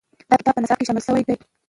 دا کتاب په نصاب کې شامل شوی دی.